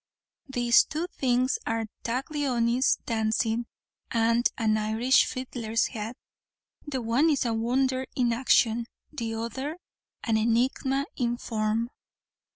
These two things are Taglioni's dancing and an Irish fiddler's hat. The one is a wonder in action; the other, an enigma in form.